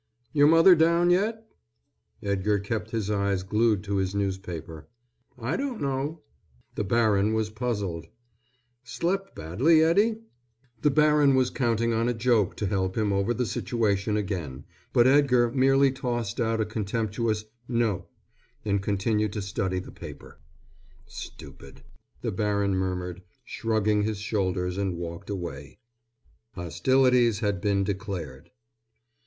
"Your mother down yet?" Edgar kept his eyes glued to his newspaper. "I don't know." The baron was puzzled. "Slept badly, Eddie?" The baron was counting on a joke to help him over the situation again, but Edgar merely tossed out a contemptuous "No" and continued to study the paper. "Stupid," the baron murmured, shrugging his shoulders and walked away. Hostilities had been declared.